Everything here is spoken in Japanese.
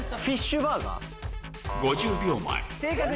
フィッシュバーガー。